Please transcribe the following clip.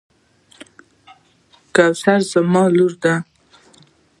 کوثر زما لور ده.